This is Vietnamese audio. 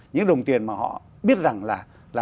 những đồng tiền mà họ biết rằng là